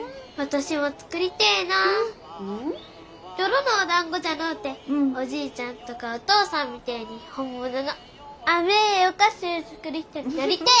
泥のおだんごじゃのうておじいちゃんとかお父さんみてえに本物の甘えお菓子ゅう作る人になりてえ！